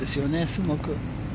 すごく。